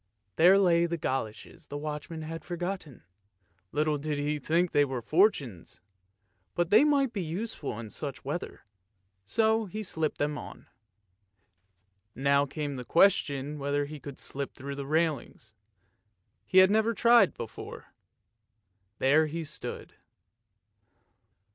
There lay the goloshes the watchman had forgotten; little did he think that they were Fortune's, but they might be useful in such weather; so he slipped them on. Now came the question whether he could slip through the railings ; he had never tried it before. There he stood.